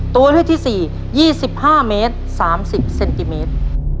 ตัวเลือกที่๔๒๕เมตร๓๐เซนติเมตร